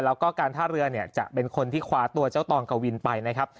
แล้วก็การท่าเรือเนี่ยจะเป็นคนที่คว้าตัวเจ้าตองกวินไปนะครับ